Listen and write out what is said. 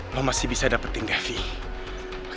lo masih bisa dapetin gavi